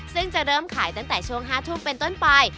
ซึ่งจะเริ่มขายตั้งแต่ช่วง๕ทุ่มเป็นต้นไป